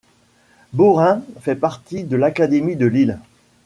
Beaurain fait partie de l'académie de Lille.